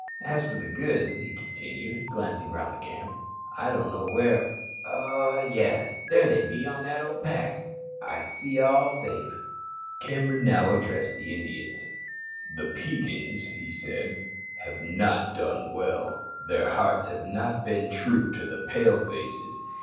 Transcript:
As for the goods," he continued, glancing round the camp, "I don't know where ah! yes, there they be in the old pack. I see all safe." Cameron now addressed the Indians. "The Peigans," he said, "have not done well. Their hearts have not been true to the Pale faces.